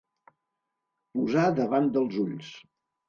Posar davant dels ulls.